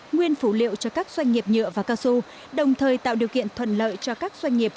nguyên phủ liệu cho các doanh nghiệp nhựa và cao su đồng thời tạo điều kiện thuận lợi cho các doanh nghiệp